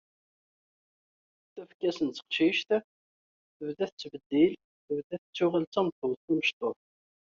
Tafekka-s n teqcict tebda tettbeddil, tebda tettuɣal d tameṭṭut tamecṭuḥt.